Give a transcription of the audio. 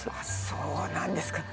そうなんですか。